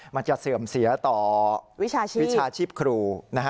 มันจะเสื่อมเสียต่อวิชาชีพครู